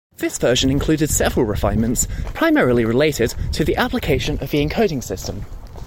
This version included several refinements, primarily related to the application of the encoding system.